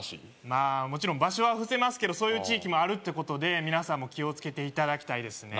まあもちろん場所は伏せますけどそういう地域もあるってことで皆さんも気をつけていただきたいですね